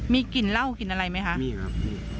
มีกลิ่นเหล้ากลิ่นอะไรไหมคะมีครับมี